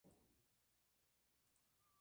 Como abogado consiguió gran renombre.